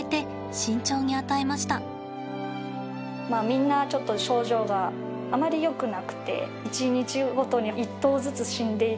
みんなちょっと症状があまりよくなくて１日ごとに１頭ずつ死んでいってしまうというような。